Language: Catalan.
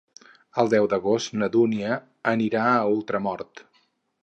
El deu d'agost na Dúnia anirà a Ultramort.